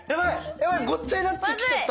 ヤバいごっちゃになってきちゃった。